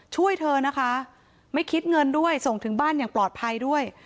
ช่วยเธอนะคะไม่คิดเงินด้วยส่งถึงบ้านอย่างปลอดภัยด้วย